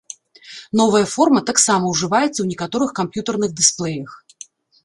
Новая форма таксама ўжываецца ў некаторых камп'ютарных дысплеях.